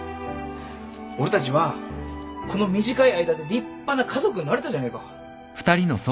俺たちはこの短い間で立派な家族になれたじゃねえか。